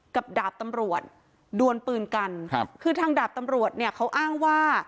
กับดาบตำรวจดวนปืนกันคือทางดาบตำรวจเขาอ้างว่า